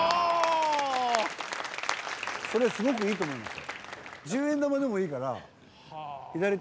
それすごくいいと思いますよ。